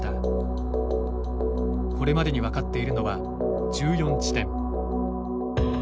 これまでに分かっているのは１４地点。